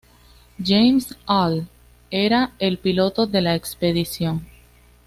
James Hall era el piloto de la expedición.